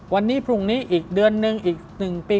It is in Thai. วันนี้พรุ่งนี้อีกเดือนนึงอีก๑ปี